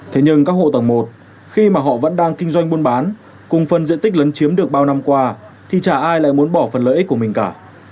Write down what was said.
thế nhưng các hộ tầng một khi mà họ vẫn đang kinh doanh buôn bán cùng phần diện tích lấn chiếm được bao năm qua thì chả ai lại muốn bỏ phần lợi ích của mình cả